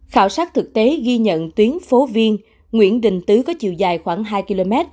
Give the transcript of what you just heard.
khảo sát thực tế ghi nhận tuyến phố viên nguyễn đình tứ có chiều dài khoảng hai km